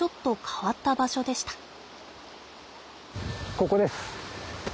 ここです！